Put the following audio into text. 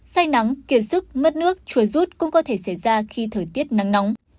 say nắng kiệt sức mất nước chuồi rút cũng có thể xảy ra khi thời tiết nắng nóng